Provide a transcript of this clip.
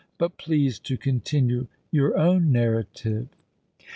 But please to continue your own narrative."